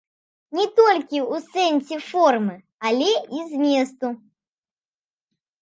Не толькі ў сэнсе формы, але і зместу.